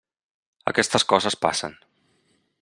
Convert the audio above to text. Aquestes coses passen.